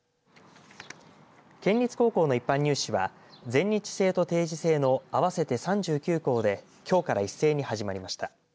県立高校の一般入試は全日制と定時制の合わせて３９校できょうから一斉に始まりました。